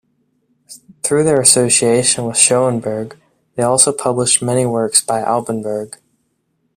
Through their association with Schoenberg, they also published many works by Alban Berg.